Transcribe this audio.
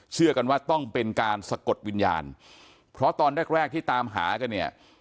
เชื่อกันว่าต้องเป็นการสะกดวิญญาณเพราะตอนแรกแรกที่ตามหากันเนี่ย